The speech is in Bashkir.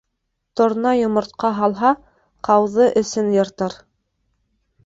Торна йомортҡа һалһа, ҡауҙы эсен йыртыр.